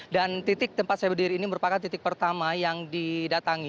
titik tempat saya berdiri ini merupakan titik pertama yang didatangi